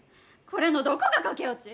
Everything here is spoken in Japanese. これのどこが駆け落ち？